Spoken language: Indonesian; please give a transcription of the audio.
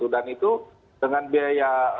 dan itu dengan biaya